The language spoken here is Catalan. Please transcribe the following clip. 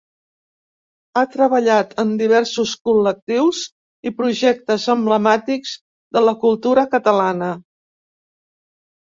Ha treballat en diversos col·lectius i projectes emblemàtics de la cultura catalana.